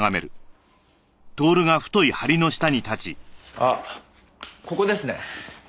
あっここですね。